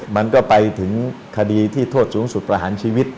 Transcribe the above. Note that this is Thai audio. มันก็ไปถึงคดีที่โทษสูงสุดประหารชีวิต